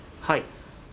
はい。